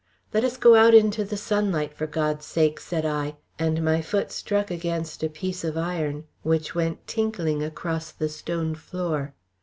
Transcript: "Let us go out into the sunlight, for God's sake!" said I, and my foot struck against a piece of iron, which went tinkling across the stone floor.